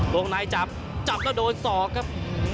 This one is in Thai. วงในจับจับแล้วโดนศอกครับ